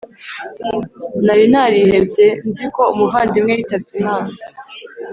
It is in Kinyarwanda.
Narinarihebye nziko umuvandimwe yitabye imana